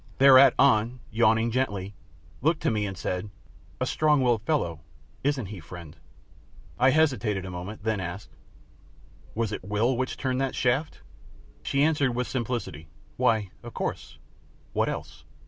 Thereat An, yawning gently, looked to me and said, "A strong willed fellow, isn't he, friend?" I hesitated a minute and then asked, "Was it WILL which turned that shaft?" She answered with simplicity, "Why, of course what else?"